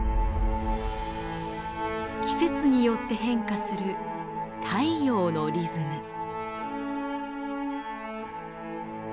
季節によって変化する太陽のリズム。